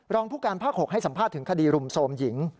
รองผู้การภาค๖ให้สัมภาษณ์ถึงคดีรุมโทรมหญิง